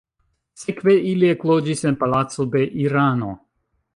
Sekve ili ekloĝis en palaco de Irano.